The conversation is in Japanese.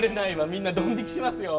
みんなドン引きしますよ。